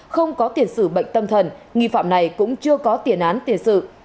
không có tiền xử bệnh tâm thần nghị phạm này cũng chưa có tiền án tiền xử